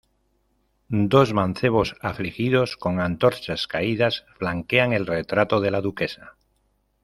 Dos mancebos afligidos con antorchas caídas flanquean el retrato de la duquesa.